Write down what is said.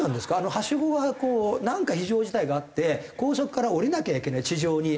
はしごがこうなんか非常事態があって高速から降りなきゃいけない地上に。